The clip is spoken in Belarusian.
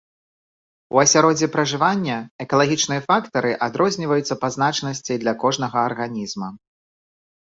У асяроддзі пражывання экалагічныя фактары адрозніваюцца па значнасці для кожнага арганізма.